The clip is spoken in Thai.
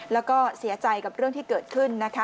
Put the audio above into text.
แล้วก็เสียใจกับเรื่องที่เกิดขึ้นนะคะ